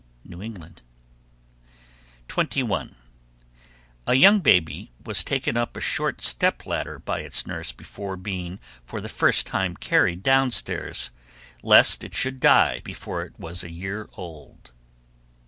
New England. 21. A young baby was taken up a short step ladder by its nurse before being for the first time carried downstairs lest it should die before it was a year old.